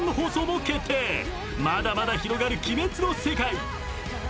［まだまだ広がる『鬼滅』の世界］